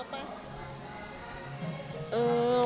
mau main apa